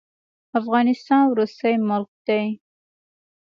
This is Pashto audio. افغانستان وروستی ملک دی.